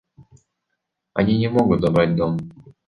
Они не могут забрать дом.